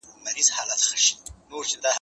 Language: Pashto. تر هغوی د وروسته قومونو د هلاکت قصې مو اوريدلي دي؟